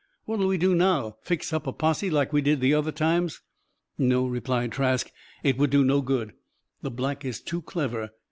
What'll we do now? Fix up a posse; like we did, the other times?" "No," replied Trask. "It would do no good. The Black is too clever.